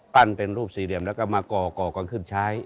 ปั้นเป็นรูปสี่เหลี่ยมแล้วก็มาก่อก่อครั้งคืนใช้